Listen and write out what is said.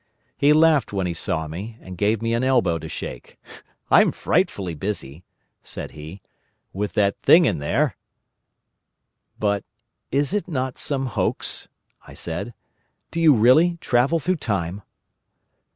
He laughed when he saw me, and gave me an elbow to shake. "I'm frightfully busy," said he, "with that thing in there." "But is it not some hoax?" I said. "Do you really travel through time?"